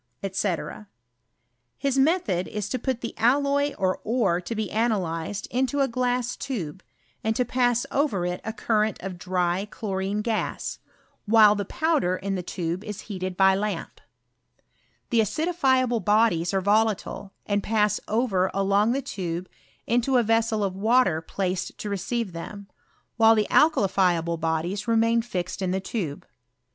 &c. His method is to put the alloy or ore ilyied into a glass tube, and to pass over it a current of dry chlorine gas, while (he powder in the t I PROGEESS OF ANAITTICAL CHEMISTRY. 227 tube is heated by a lamp. The acidifiable bodies are volatile, and pass over along the tube into a ves sel of water placed to receive them, while the alka lifiable bodies remain fixed in the tube.